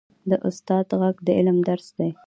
د استاد ږغ د علم درس دی.